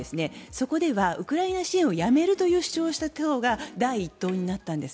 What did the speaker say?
そこではウクライナ支援をやめるという主張をした党が第１党になったんです。